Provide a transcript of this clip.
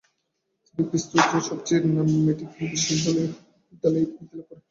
তিনি পিস্তোজার সবচেয়ে নামী মেডিকেল বিদ্যালয়ে বৃত্তি লাভ করেন।